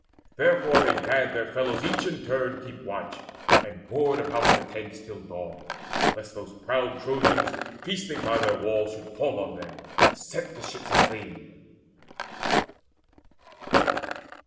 Therefore they bade their fellows each in turn Keep watch and ward about the tents till dawn, Lest those proud Trojans feasting by their walls Should fall on them, and set the ships aflame.